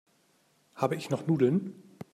Habe ich noch Nudeln?